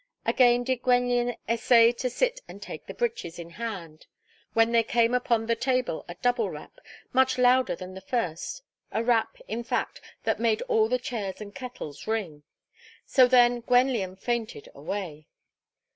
Again did Gwenllian essay to sit and take the breeches in hand, when there came upon the table a double rap, much louder than the first, a rap, in fact, that made all the chairs and kettles ring. So then Gwenllian fainted away.